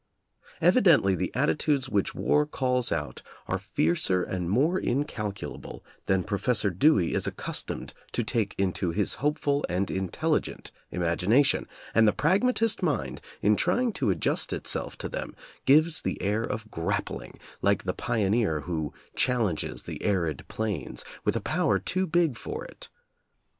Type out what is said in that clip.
Evidently the attitudes which war calls out are fiercer and more incalculable than Professor Dewey is accustomed to take into his hopeful and intelligent imagination, and the prag matist mind, in trying to adjust itself to them, gives the air of grappling, like the pioneer who challenges the arid plains, with a power too big for it.